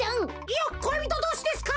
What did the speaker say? いよっこいびとどうしですか。